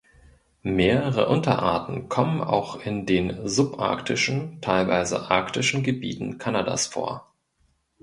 Mehrere Unterarten kommen auch in den subarktischen, teilweise arktischen Gebieten Kanadas vor.